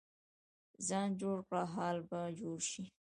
ځان جوړ کړه، حال به جوړ شي.